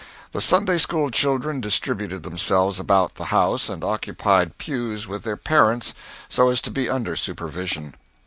The Sunday school children distributed themselves about the house and occupied pews with their parents, so as to be under supervision.